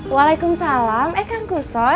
wa'alaikumsalam eh kangkuh soy